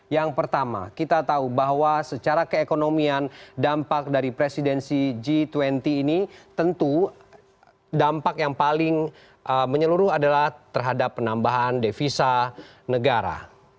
yang pertama kita tahu bahwa secara keekonomian dampak dari presidensi g dua puluh ini tentu dampak yang paling menyeluruh adalah terhadap penambahan devisa negara